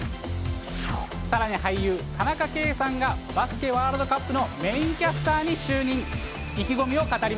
さらに俳優、田中圭さんがバスケワールドカップのメインキャスターに就任。